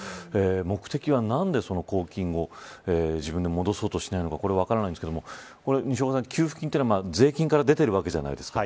目的は何で公金を自分で戻そうとしないのか分からないんですが西岡さん、給付金というのは税金から出ているわけじゃないですか。